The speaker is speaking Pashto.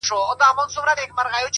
اراده د ستونزې قد کموي،